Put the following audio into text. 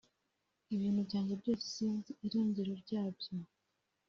Ibintu byanjye byose sinzi irengero ryabyo